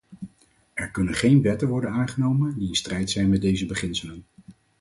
Er kunnen geen wetten worden aangenomen die in strijd zijn met deze beginselen.